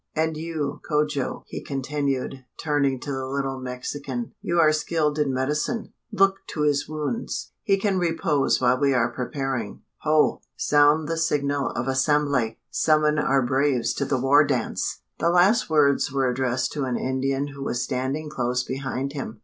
And you, Cojo!" he continued, turning to the little Mexican, "you are skilled in medicine look to his wounds! He can repose while we are preparing. Ho! sound the signal of assembly! Summon our braves to the war dance!" The last words were addressed to an Indian who was standing close behind him.